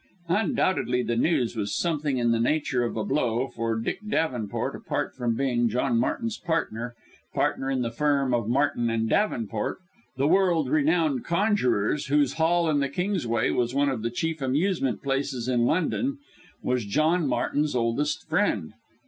Undoubtedly the news was something in the nature of a blow: for Dick Davenport, apart from being John Martin's partner partner in the firm of Martin and Davenport, the world renowned conjurors, whose hall in the Kingsway was one of the chief amusement places in London, was John Martin's oldest friend.